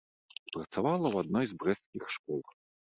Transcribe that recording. Працавала ў адной з брэсцкіх школ.